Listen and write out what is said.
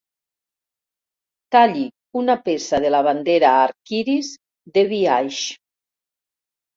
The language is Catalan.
Talli una peça de la bandera arc-iris de biaix.